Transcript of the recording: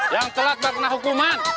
yang telat bakal kena hukuman